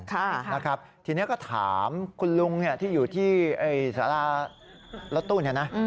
ทีนี้ก็ถามคุณลุงที่อยู่ที่สารารถู้นี่นะ